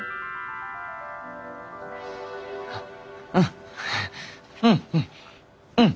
うんうんうんうん！